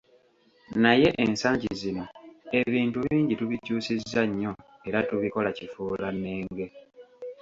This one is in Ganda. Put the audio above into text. Naye ensangi zino ebintu bingi tubikyusizza nnyo era tubikola kifuulannenge.